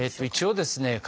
一応ですね